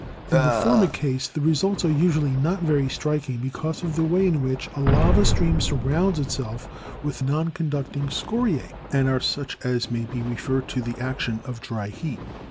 In the former case the results are usually not very strik ing because of the way in which a lava stream surrounds itself with non conducting scoriae, and are such as may be referred to the action of dry heat.